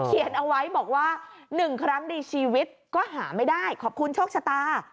เขียนเอาไว้บอกว่า๑ครั้งในชีวิตก็หาไม่ได้ขอบคุณโชคชะตา